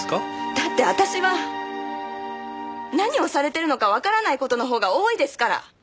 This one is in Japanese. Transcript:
だって私は何をされてるのかわからない事のほうが多いですから！